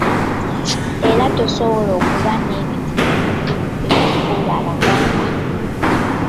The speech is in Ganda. Era tusobola okuba n'ebintu ebikulu ebitufuula Abaganda.